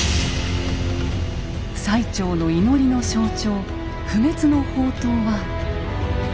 最澄の祈りの象徴不滅の法灯は。